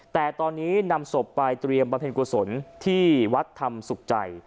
แต่ตอนนี้นำศพไปเตรียมบำเพ็ญกุศลที่วัดธรรมสุขใจ